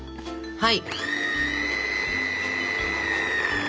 はい！